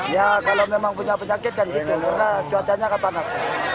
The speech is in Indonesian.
ya kalau memang punya penyakit kan gitu karena cuacanya akan panas